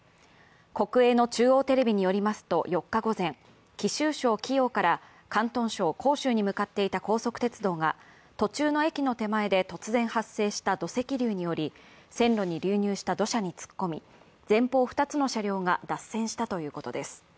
国営の中央テレビによりますと４日午前、貴州省貴陽から広東省広州に向かっていた高速鉄道が途中の駅の手前で突然発生した土石流により線路に流入した土砂に突っ込み前方２つの車両が脱線したということです。